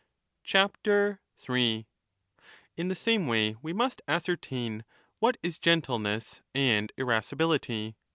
3 In the same way we must ascertain what is gentleness 5 2 and irascibility.